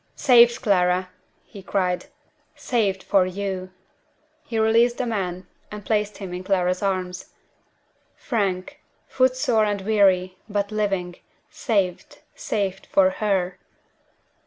"Saved, Clara!" he cried. "Saved for you!" He released the man, and placed him in Clara's arms. Frank! foot sore and weary but living saved; saved for _her!